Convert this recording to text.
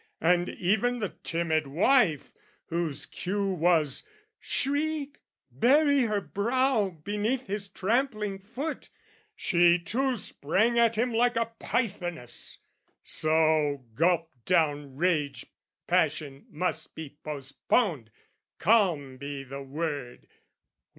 "And even the timid wife, whose cue was shriek, "Bury her brow beneath his trampling foot, "She too sprang at him like a pythoness: "So, gulp down rage, passion must be postponed, "Calm be the word!